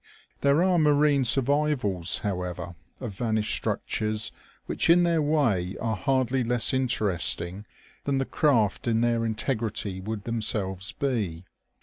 There are marine survivals, however, of vanished structures which in their way are hardly less interesting than the craft in their integrity would themselves be.